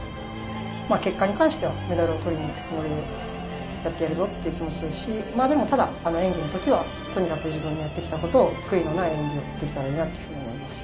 結果に関してはメダルをとりにいくつもりでやっているぞという気持ちですしでも、ただ、演技の時はとにかく自分のやってきたことを悔いのない演技をやっていけたらと思います。